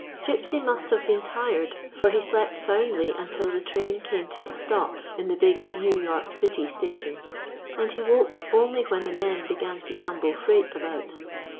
GYPSY, THE TALKING DOG Gypsy must have been tired; for he slept soundly until the train came to a stop in the big New York City station, and he awoke only when the men began to tumble freight about.